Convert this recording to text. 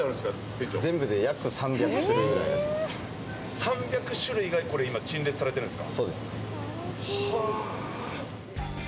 ３００種類が今、陳列されているんですか？